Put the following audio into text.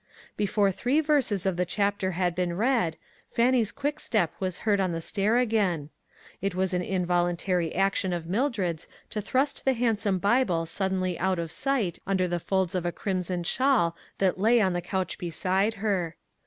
Before three verses of the chap ter had been read, Fannie's quick step was heard on the stair again. It was an involun tary action of Mildred's to thrust the hand some Bible suddenly out of sight 'under the folds of a crimson shawl that lay on the couch beside her.